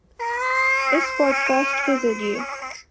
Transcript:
اس podcast کے ذریعے